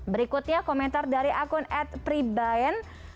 berikutnya komentar dari akun ad pribayan